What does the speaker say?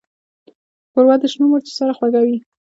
ښوروا د شنو مرچو سره خوږه وي.